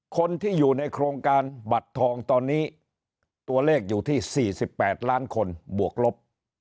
คนที่อยู่ในโครงการบัตรทองตอนนี้ตัวเลขอยู่ที่๔๘ล้านคนบวกลบ